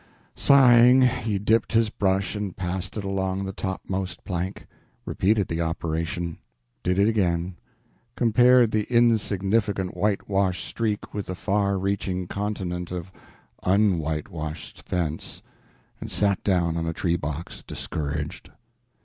Sighing, he dipped his brush and passed it along the topmost plank; repeated the operation; did it again; compared the insignificant whitewashed streak with the far reaching continent of unwhitewashed fence, and sat down on a tree box discouraged.